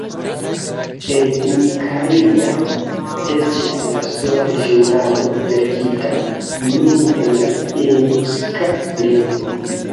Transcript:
Egunkaria estis la sola ĵurnalo verkita nur en la eŭska lingvo.